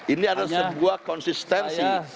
ini adalah sebuah konsistensi